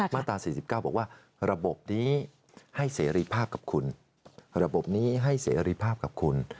มาตรา๔๙บอกว่าระบบนี้ให้เสรีภาพกับคุณ